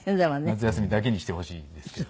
夏休みだけにしてほしいですけど。